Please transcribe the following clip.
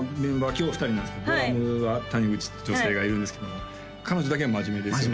今日は２人なんですけどドラムは谷口って女性がいるんですけども彼女だけは真面目ですよね